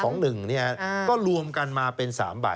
๒๓๒๑เนี่ยก็รวมกันมาเป็น๓ใบ